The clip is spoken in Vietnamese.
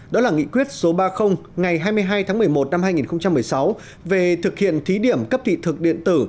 đó là nghị quyết số ba mươi ngày hai mươi hai tháng một mươi một năm hai nghìn một mươi sáu về thực hiện thí điểm cấp thị thực điện tử